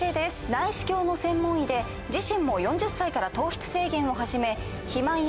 内視鏡の専門医で自身も４０歳から糖質制限を始め肥満や脂質異常症を克服。